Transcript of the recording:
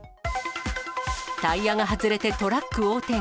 タイヤが外れてトラック横転。